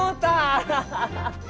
アハハハ！